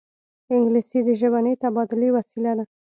انګلیسي د ژبني تبادلې وسیله ده